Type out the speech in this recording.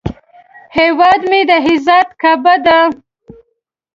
هیواد مې د عزت کعبه ده